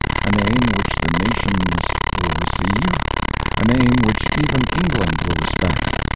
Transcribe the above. —a name which the nations will receive?—a name which even England will respect?